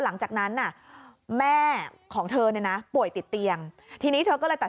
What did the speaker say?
หลังจากนั้นน่ะแม่ของเธอเนี่ยนะป่วยติดเตียงทีนี้เธอก็เลยตัด